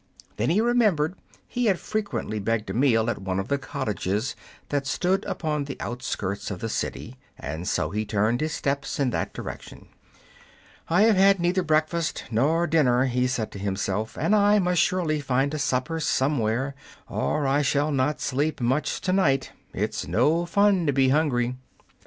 Then he remembered he had frequently begged a meal at one of the cottages that stood upon the outskirts of the city, and so he turned his steps in that direction. "I have had neither breakfast nor dinner," he said to himself, "and I must surely find a supper somewhere, or I shall not sleep much to night. It is no fun to be hungry."